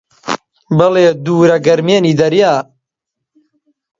بەڵێ: دوورە گەرمێنی دەریا